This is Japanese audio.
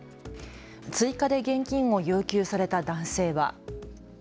追加で現金を要求された男性は。